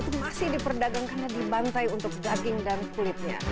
itu masih diperdagang karena dibantai untuk daging dan kulitnya